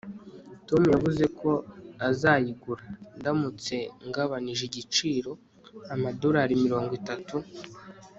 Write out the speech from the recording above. tom yavuze ko azayigura, ndamutse ngabanije igiciro amadorari mirongo itatu